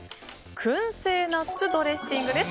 くんせいナッツドレッシングです。